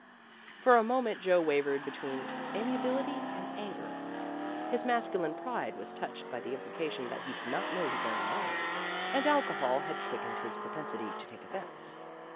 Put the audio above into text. For a moment Joe wavered between amia bility and anger. His masculine pride was touched by the implication that he did not know his own mind, and alcohol had quickened his propensity to take offense.